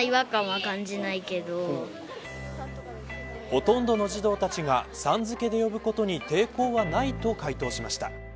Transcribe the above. ほとんどの児童たちがさん付けで呼ぶことに抵抗はないと回答しました。